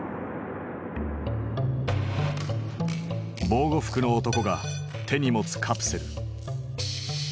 防護服の男が手に持つカプセル。